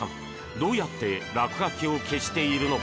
どうやって落書きを消しているのか？